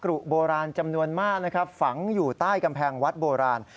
กรุบโบราณจำนวนมากฝังอยู่ใต้กัมแพงวัดโบราณ